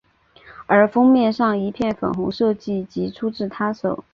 而封面上一片粉红设计即出自她手。